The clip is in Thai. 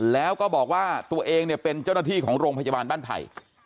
แล้วก็บอกว่าตัวเองเนี่ยเป็นเจ้าหน้าที่ของโรงพยาบาลบ้านไผ่